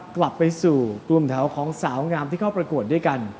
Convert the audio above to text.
กลับไปสู่รวมแถวของสาวงามที่เข้าประกวดด้วยกัน